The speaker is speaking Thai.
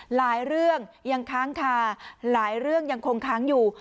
หลายเรื่องยังค้างคาหลายเรื่องยังคงค้างอยู่